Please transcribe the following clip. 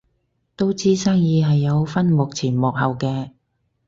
都知生意係有分幕前幕後嘅